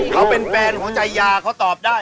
เราเป็นแฟนของชัยาก็ตอบได้